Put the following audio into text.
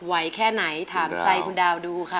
แค่ไหนถามใจคุณดาวดูค่ะ